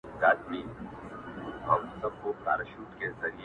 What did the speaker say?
• څوک دی چي دلته زموږ قاتل نه دی -